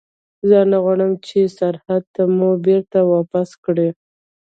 زه نه غواړم چې سرحد ته مو بېرته واپس کړي.